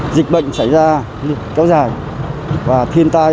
dịch bệnh xảy ra rất dài